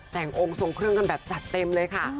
แต่งองค์ทรงเครื่องกันแบบจัดเต็มเลยค่ะ